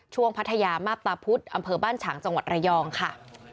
พัทยามาบตาพุธอำเภอบ้านฉางจังหวัดระยองค่ะ